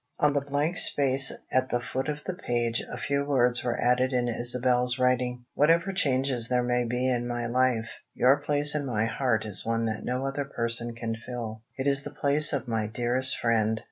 On the blank space at the foot of the page a few words were added in Isabel's writing: "Whatever changes there may be in my life, your place in my heart is one that no other person can fill: it is the place of my dearest friend.